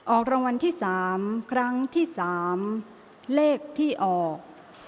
ออกรางวัลที่๓ครั้งที่๓เลขที่ออก